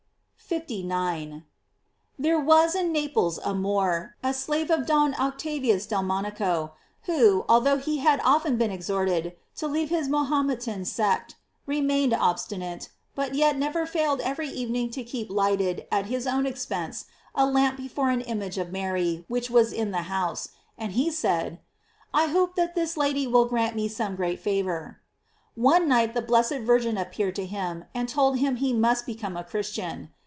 f 59. — There was in Naples a Moor, a slave of Don Octavius del Monaco, who, although he had often been exhorted to leave his Mahometan sect, remained obstinate, but yet never failed every evening to keep lighted, at his own expense, a lamp before an imago of Mary which was in the house. And he said: "I hope that this Lady •will grant me some great favor." One night the blessed Virgin appeared to him and told Lim he must become a Christian.